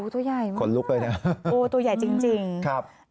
ตัวใหญ่มากตัวใหญ่จริงครับขนลุกเลยนะ